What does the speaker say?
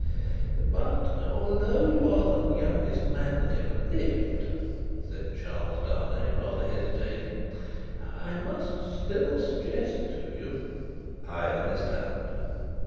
"But, although you are the youngest man that ever lived," said Charles Darnay, rather hesitating, "I must still suggest to you " "I understand.